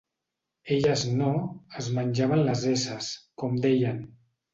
Elles no "es menjaven les esses", com deien.